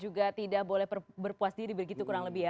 juga tidak boleh berpuas diri begitu kurang lebih ya